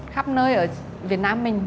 khắp nơi ở việt nam mình